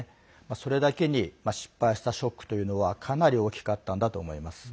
それだけに失敗したショックというのはかなり大きかったんだと思います。